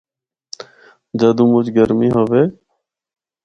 جدّوں مُچ گرمی ہوّے۔